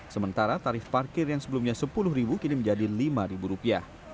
sementara tarif parkir yang sebelumnya sepuluh ribu kini menjadi lima ribu rupiah